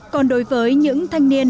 còn đối với những thanh niên